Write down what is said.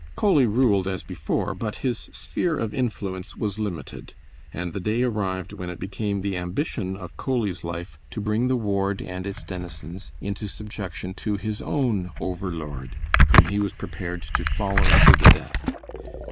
Coley ruled as before, but his sphere of influence was limited, and the day arrived when it became the ambition of Coley's life to bring the ward and its denizens into subjection to his own over lord, whom he was prepared to follow to the death.